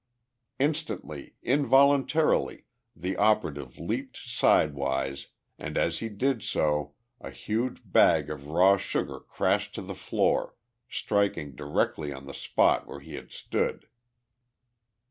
Instantly, involuntarily, the operative leaped sidewise, and as he did so a huge bag of raw sugar crashed to the floor, striking directly on the spot where he had stood.